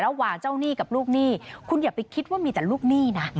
ระหว่างเจ้าหนี้กับลูกหนี้คุณอย่าไปคิดว่ามีแต่ลูกหนี้นะ